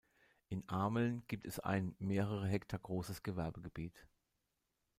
In Ameln gibt es ein mehrere Hektar großes Gewerbegebiet.